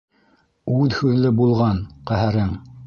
Үҙ һүҙле булған, ҡәһәрең.